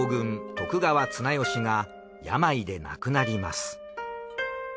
徳川綱吉が病で亡くなります。